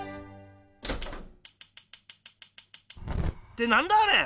ってなんだあれ！